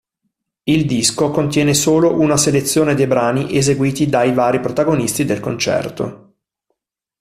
Il disco contiene solo una selezione dei brani eseguiti dai vari protagonisti del concerto.